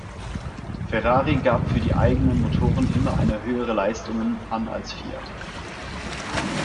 Ferrari gab für die eigenen Motoren immer eine höhere Leistungen an als Fiat.